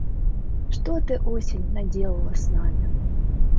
Что ты, осень, наделала с нами?